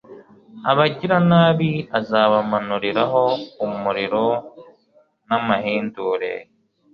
abagiranabi azabamanuriraho umuriro n'amahindure